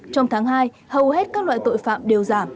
trong tháng hai hầu hết các loại tội phạm đều giảm